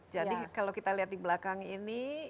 jadi kalau kita lihat di belakang ini